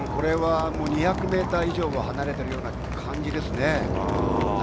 ２００ｍ以上は離れてる感じですね。